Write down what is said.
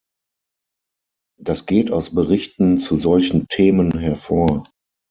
Das geht aus Berichten zu solchen Themen hervor.